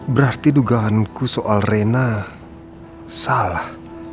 berarti dugaanku soal rena salah